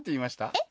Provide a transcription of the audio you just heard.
えっ？